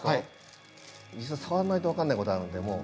実際触らないと分からないことあるんでもう。